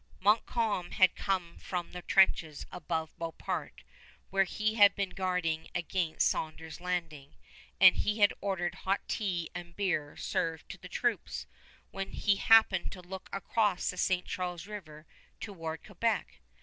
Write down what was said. Montcalm had come from the trenches above Beauport, where he had been guarding against Saunders' landing, and he had ordered hot tea and beer served to the troops, when he happened to look across the St. Charles River towards Quebec.